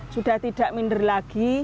sudah tidak minder lagi